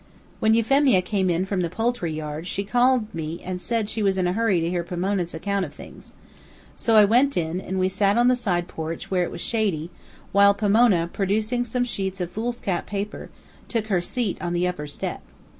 When Euphemia came in from the poultry yard, she called me and said she was in a hurry to hear Pomona's account of things. So I went in, and we sat on the side porch, where it was shady, while Pomona, producing some sheets of foolscap paper, took her seat on the upper step.